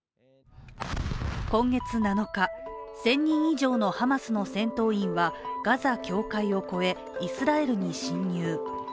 今月７日、１０００人以上のハマスの戦闘員はガザ境界を越え、イスラエルに侵入。